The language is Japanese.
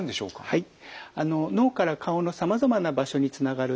はい。